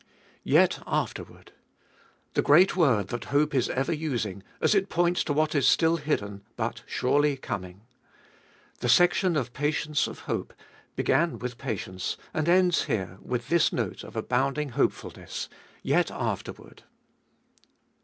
7. Yet afterward. The great word that hope is ever using, as it points to what is still hidden, but surely coming. The section of Patience of Hope began with patience, and ends here with this note of abounding hopefulness— Yet afterward.